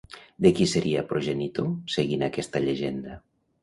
De qui seria progenitor seguint aquesta llegenda?